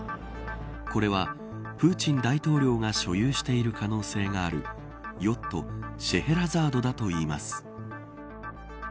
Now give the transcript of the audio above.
これはプーチン大統領が所有している可能性があるヨットシェヘラザードだといいます。